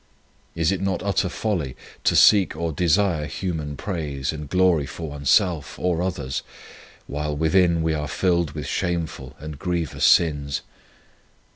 Is it not utter folly to seek or desire human praise and glory for oneself or others, while within we are filled with shameful and grievous sins